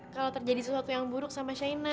kalau terjadi sesuatu yang buruk sama china